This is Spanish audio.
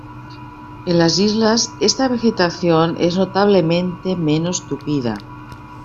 En las islas esta vegetación es notablemente menos tupida.